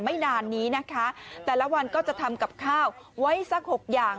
ไม่นานนี้นะคะแต่ละวันก็จะทำกับข้าวไว้สักหกอย่าง